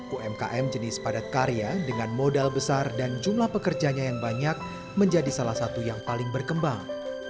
umkm jenis padat karya dengan modal besar dan jumlah pekerjanya yang banyak menjadi salah satu yang paling berkembang